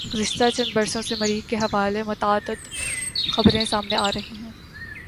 گزشتہ چند بر سوں میں مریخ کے حوالے متعدد خبریں سامنے آرہی ہیں